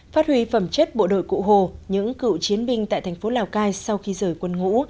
phát huy phẩm chất bộ đội cụ hồ những cựu chiến binh tại thành phố lào cai sau khi rời quân ngũ